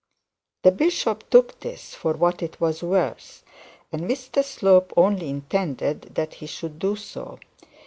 The bishop took this for what it was worth, and Mr Slope only intended that he should do so.